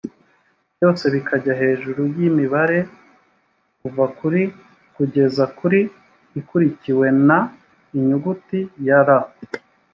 byose bikajya hejuru y mibare kuva kuri kugeza kuri ikurikiwe n inyuguti ya r